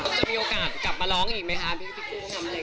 จะมีโอกาสกลับมาร้องอีกไหมคะพี่กุ้งทำอะไร